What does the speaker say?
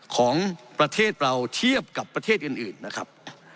ของประเทศเราเทียบกับประเทศอื่นนะครับ